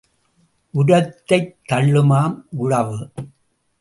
உரத்தைத் தள்ளுமாம் உழவு.